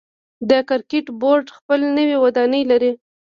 د کرکټ بورډ خپل نوی ودانۍ لري.